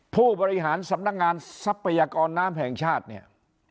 ผู้บริหารสำนักงานทรัพยากรน้ำแห่งชาติเนี่ย